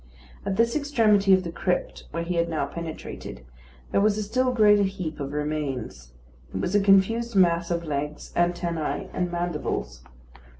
At this extremity of the crypt, where he had now penetrated, there was a still greater heap of remains. It was a confused mass of legs, antennæ, and mandibles.